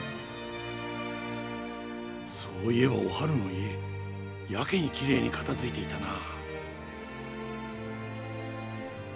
そういえばおはるの家やけにきれいに片づいていたな。